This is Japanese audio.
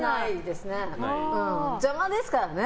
邪魔ですからね。